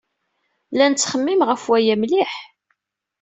La nettxemmim ɣef aya mliḥ.